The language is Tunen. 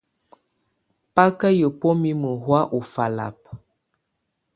Bá kà yǝ́buǝ́ mimǝ́ hɔ̀á ù falaba.